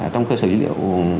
trong cơ sở dữ liệu